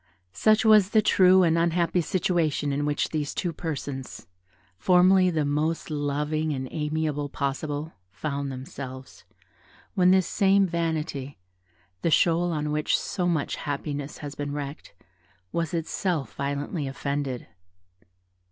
Such was the true and unhappy situation in which these two persons, formerly the most loving and amiable possible, found themselves, when this same vanity, the shoal on which so much happiness has been wrecked, was itself violently offended.